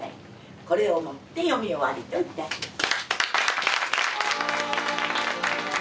これをもって読み終わりと致します。